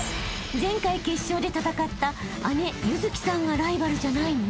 前回決勝で戦った姉優月さんがライバルじゃないの？］